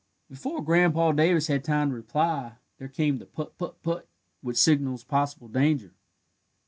Before Grandpa Davis had time to reply, there came the "put put put" which signals possible danger.